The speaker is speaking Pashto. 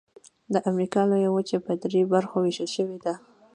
د امریکا لویه وچه په درې برخو ویشل شوې ده.